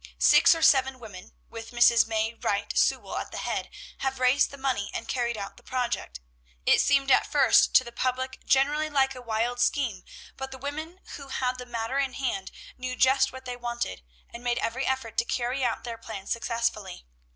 Six or seven women, with Mrs. May Wright Sewall at the head, have raised the money and carried out the project. It seemed at first to the public generally like a wild scheme, but the women who had the matter in hand knew just what they wanted, and made every effort to carry out their plans successfully.